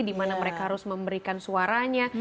di mana mereka harus memberikan suaranya